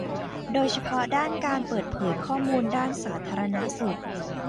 โดยเฉพาะด้านการเปิดเผยข้อมูลด้านสาธารณสุข